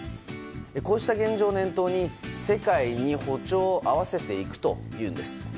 こうした現状を念頭に世界に歩調を合わせていくというんです。